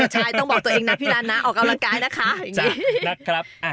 ใช่ต้องบอกตัวเองนะพี่รันนะออกกำลังกายนะคะจ้ะนะครับอ่ะ